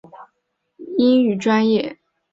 毕业于中央广播电视大学英语专业。